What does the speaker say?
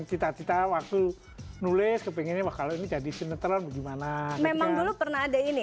cita cita waktu nulis kepengennya bakal jadi sinetron gimana memang dulu pernah ada ini